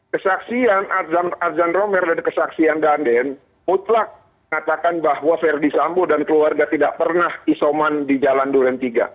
kesaksian adzan romer dan kesaksian danden mutlak mengatakan bahwa ferdi sambo dan keluarga tidak pernah isoman di jalan